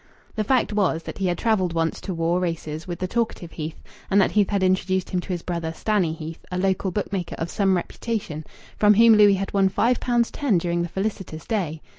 The fact was that he had travelled once to Woore races with the talkative Heath, and that Heath had introduced him to his brother Stanny Heath, a local book maker of some reputation, from whom Louis had won five pounds ten during the felicitous day.